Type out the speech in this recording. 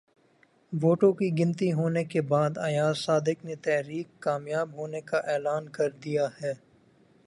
ووٹوں کی گنتی ہونے کے بعد ایاز صادق نے تحریک کامیاب ہونے کا اعلان کر دیا ہے